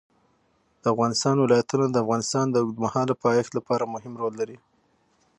د افغانستان ولايتونه د افغانستان د اوږدمهاله پایښت لپاره مهم رول لري.